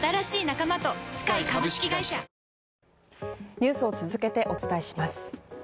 ニュースを続けてお伝えします。